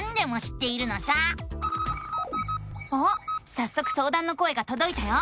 さっそくそうだんの声がとどいたよ。